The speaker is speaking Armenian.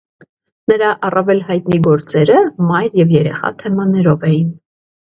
Նրա առավել հայտնի գործերը «մայր և երեխա» թեմաներով էին։